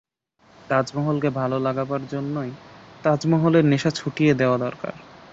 তাজমহলকে ভালো-লাগাবার জন্যেই তাজমহলের নেশা ছুটিয়ে দেওয়া দরকার।